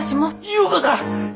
優子さん！